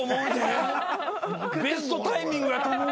ベストタイミングやと思うけどな。